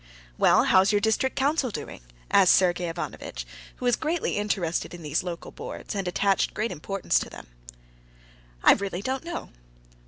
"Well, how is your district council doing?" asked Sergey Ivanovitch, who was greatly interested in these local boards and attached great importance to them. "I really don't know."